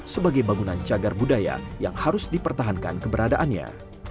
sebagai bangunan cagar budaya yang harus dipertahankan keberadaannya